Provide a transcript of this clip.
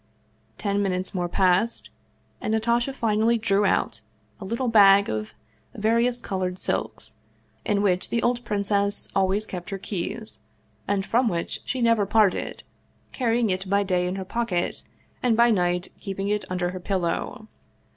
Ten minutes more passed, and Natasha finally drew out a little bag of various colored silks, in which the old princess always kept her keys, and from which she never parted, carrying it by day in her pocket, and by night keeping it under her pillow.